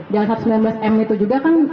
dalam satu ratus sembilan belas m itu juga kan